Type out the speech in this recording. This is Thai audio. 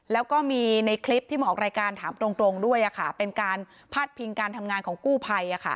แล้วก็มีในคลิปที่มาออกรายการถามตรงด้วยเป็นการพาดพิงการทำงานของกู้ภัย